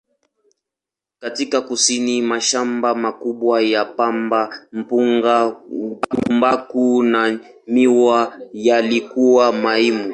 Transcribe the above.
Katika kusini, mashamba makubwa ya pamba, mpunga, tumbaku na miwa yalikuwa muhimu.